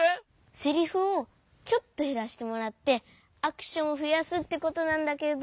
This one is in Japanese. セリフをちょっとへらしてもらってアクションをふやすってことなんだけど。